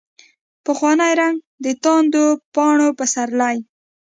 پخوانی رنګ، دتاندو پاڼو پسرلي